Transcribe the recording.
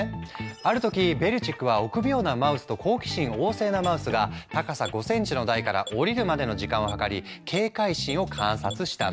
ある時ベルチックは臆病なマウスと好奇心旺盛なマウスが高さ５センチの台から下りるまでの時間を計り警戒心を観察したの。